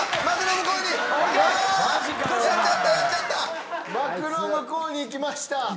幕の向こうに行きました。